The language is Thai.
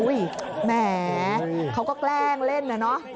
อุ๊ยแหมเขาก็แกล้งเล่นเลย